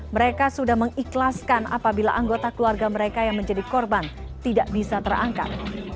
mereka sudah mengikhlaskan apabila anggota keluarga mereka yang menjadi korban tidak bisa terangkat